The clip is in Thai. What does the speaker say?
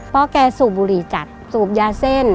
เพราะแกสูบบุหรี่จัดสูบยาเส้น